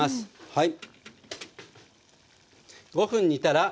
はい。